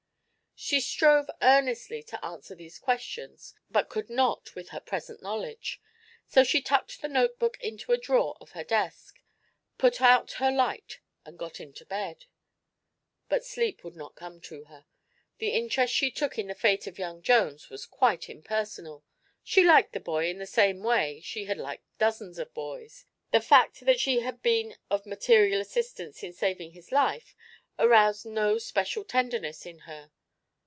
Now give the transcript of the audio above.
She strove earnestly to answer these questions, but could not with her present knowledge. So she tucked the notebook into a drawer of her desk, put out her light and got into bed. But sleep would not come to her. The interest she took in the fate of young Jones was quite impersonal. She liked the boy in the same way she had liked dozens of boys. The fact that she had been of material assistance in saving his life aroused no especial tenderness in her.